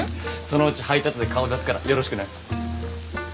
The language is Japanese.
そのうち配達で顔出すからよろしくな。